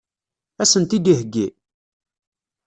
Ad sen-t-id-iheggi?